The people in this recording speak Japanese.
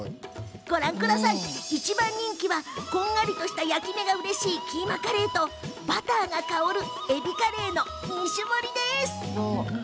一番人気はこんがりした焼き目がうれしいキーマカレーとバターが香るエビカレーの２種盛り。